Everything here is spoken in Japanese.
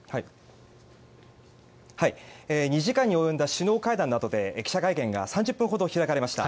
２時間に及んだ首脳会談のあとで記者会見が３０分ほど開かれました。